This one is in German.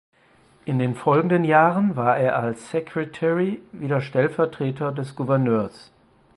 In den folgenden Jahren war er als "Secretary" wieder Stellvertreter des Gouverneurs.